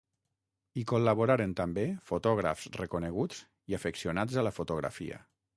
Hi col·laboraren també fotògrafs reconeguts i afeccionats a la fotografia.